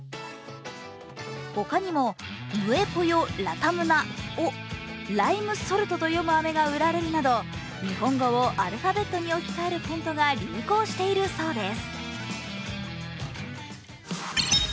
ほかにも「ムエポヨラタムナ」をＬＩＭＥＳＯＬＴと読むあめが売られるなど日本語をアルファベットに置き換える店舗が流行しているそうです。